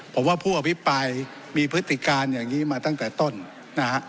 ผมว่าผู้อภิปรายมีพฤติการอย่างนี้มาตั้งแต่ต้นนะฮะ